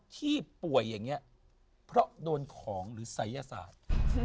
ที่ป่วยอย่างนี้เพราะโดนของหรือศัยศาสตร์